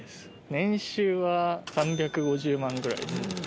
年収は３５０万ぐらいです。